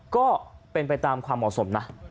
ก็เป็นไปตามความเหมาะสมนะ